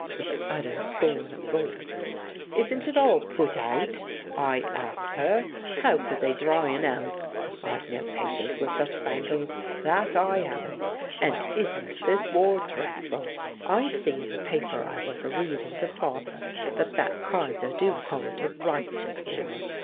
—with utter scorn of voice—"'Isn't it all put out?' I asks her. How could they dry 'un else? I've no patience with such fangels—that I haven't! And isn't this war dreadful? I see in the paper I was a readin' to father that that Kayser do call it a righteous war.